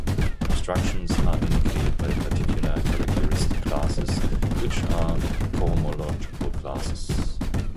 Obstructions are indicated by particular characteristic classes, which are cohomological classes.